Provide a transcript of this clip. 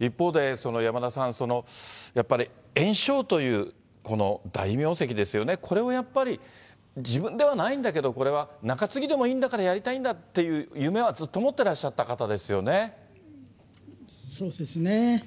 一方で、山田さん、やっぱり圓生という大名跡ですよね、これをやっぱり自分ではないんだけれども、中継ぎでもいいんだけどやりたいんだっていう夢は、ずっと持ってそうですね。